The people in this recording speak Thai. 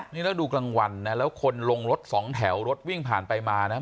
นี่แล้วดูกลางวันนะแล้วคนลงรถสองแถวรถวิ่งผ่านไปมานะ